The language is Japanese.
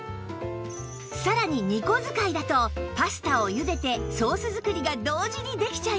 さらに２個使いだとパスタをゆでてソース作りが同時にできちゃいます！